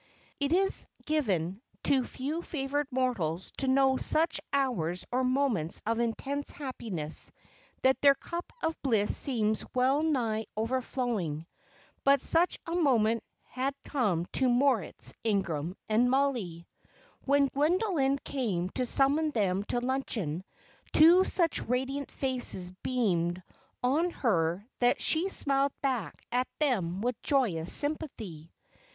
_ It is given to few favored mortals to know such hours or moments of intense happiness, that their cup of bliss seems well nigh overflowing. But such a moment had come to Moritz Ingram and Mollie. When Gwendoline came to summon them to luncheon, two such radiant faces beamed on her that she smiled back at them with joyous sympathy.